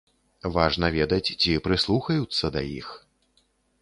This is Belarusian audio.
Важна ведаць, ці прыслухаюцца да іх.